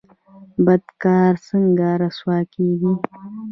بد کار څنګه رسوا کیږي؟